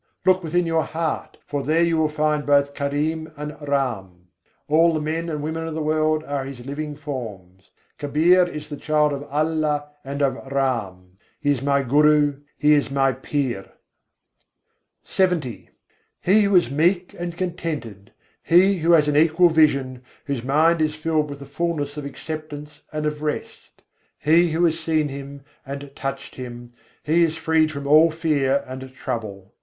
Look within your heart, for there you will find both Karim and Ram; All the men and women of the world are His living forms. Kabîr is the child of Allah and of Ram: He is my Guru, He is my Pir. LXX III. 9. s'îl santosh sadâ samadrishti He who is meek and contented., he who has an equal vision, whose mind is filled with the fullness of acceptance and of rest; He who has seen Him and touched Him, he is freed from all fear and trouble.